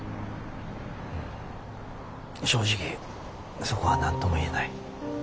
うん正直そこは何とも言えない。